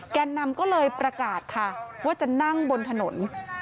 แกนนำก็เลยประกาศค่ะว่าจะนั่งบนถนน